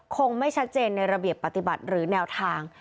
คงไม่ชัดเจนในระเบียบปฏิบัติหรือแนวทาง